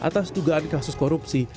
atas dugaan kasus korupsi